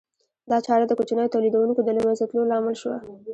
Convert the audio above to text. دا چاره د کوچنیو تولیدونکو د له منځه تلو لامل شوه